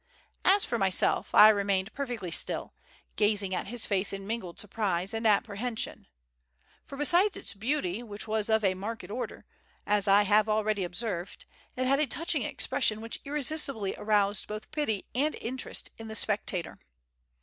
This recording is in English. As for myself, I remained perfectly still, gazing at his face in mingled surprise and apprehension. For besides its beauty, which was of a marked order, as I have already observed, it had a touching expression which irresistibly aroused both pity and interest in the spectator.